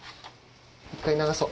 １回流そう。